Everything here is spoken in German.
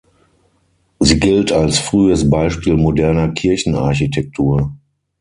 Sie gilt als frühes Beispiel moderner Kirchenarchitektur.